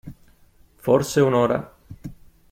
Forse un'ora.